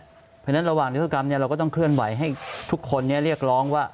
เพราะฉะนั้นระหว่างนิวกรรมเราก็ต้องเคลื่อนไหวให้ทุกคนเรียกร้องว่า